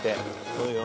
そうよ。